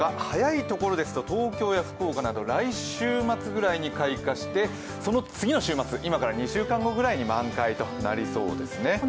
早いところですと東京や福岡など来週末ぐらいに開花してその次の週末、今から２週間後ぐらいに満開となりそうですね。